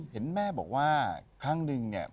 เห็นแม่บอกว่าครั้งนึงเนี่ย